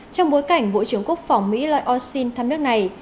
trong bối cảnh bộ trưởng quốc phòng mỹ lloyd austin thăm nước này